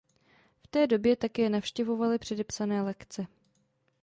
V té době také navštěvovaly předepsané lekce.